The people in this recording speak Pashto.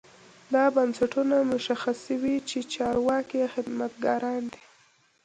دا بنسټونه مشخصوي چې چارواکي خدمتګاران دي.